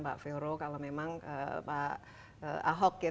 mbak vero kalau memang pak ahok ya